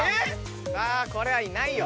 これはいないよ。